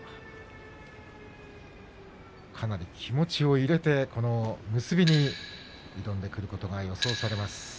かなり気持ちを入れて結びに挑んでくることが予想されます。